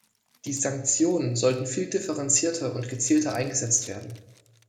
Die Sanktionen sollten viel differenzierter und gezielter eingesetzt werden.